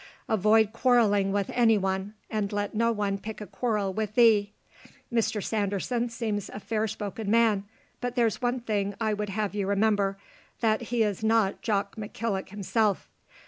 Avoid quarrelling with any one, and let no one pick a quarrel with thee. Mr Sanderson seems a fair spoken man, but there's one thing I would have you remember, that he is not Jock McKillock himself.